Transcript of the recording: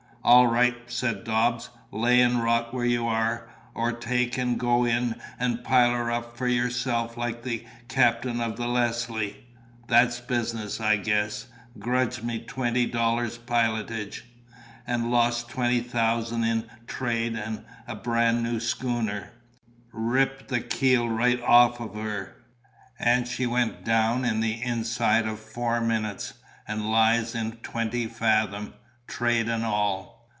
"All right," said Dobbs, "lay and rot where you are, or take and go in and pile her up for yourself like the captain of the Leslie. That's business, I guess; grudged me twenty dollars' pilotage, and lost twenty thousand in trade and a brand new schooner; ripped the keel right off of her, and she went down in the inside of four minutes, and lies in twenty fathom, trade and all."